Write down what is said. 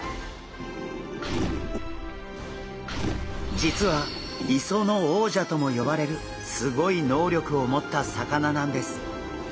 実は磯の王者とも呼ばれるすごい能力を持った魚なんです！